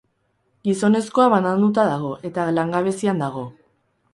Gizonezkoa bananduta dago eta langabezian dago.